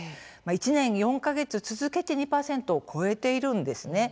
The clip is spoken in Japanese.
１年４か月続けて２％を超えているんです。